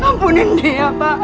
ambunin dia pak